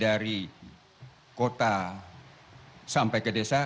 dari kota sampai ke desa